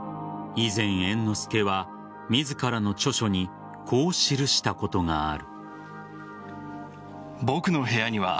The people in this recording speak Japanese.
以前、猿之助は自らの著書にこう記したことがある。